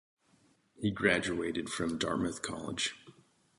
He graduated from Dartmouth College.